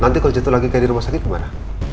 nanti kalau jatuh lagi kayak di rumah sakit gimana